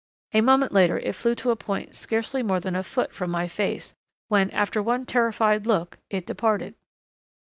A moment later it flew to a point scarcely more than a foot from my face, when, after one terrified look, it departed.